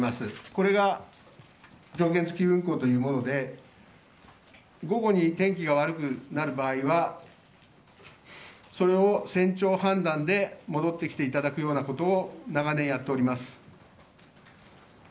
これが条件付き運航というもので午後に天気が悪くなる場合はそれを船長判断で戻ってきていただくようなことを長年、やっております。